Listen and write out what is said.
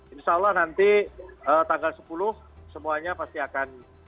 insya allah nanti tanggal sepuluh semuanya pasti akan